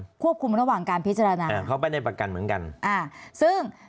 ควบคุมระหว่างการพิจารณาอ่าเขาไม่ได้ประกันเหมือนกันอ่าซึ่ง